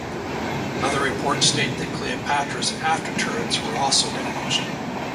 Other reports state that "Cleopatra's" after turrets were also damaged.